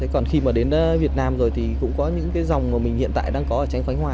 còn khi mà đến việt nam rồi thì cũng có những dòng mà mình hiện tại đang có ở tránh khánh hòa